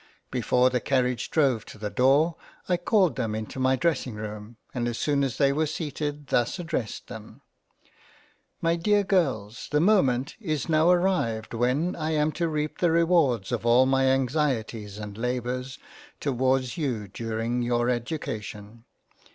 Before the Carriage drove to the door, I called them into my dressing room, and as soon as they were seated thus addressed them. " My dear Girls the moment is now arrived when I am to reap the rewards of all my Anxieties and Labours towards you during your Education.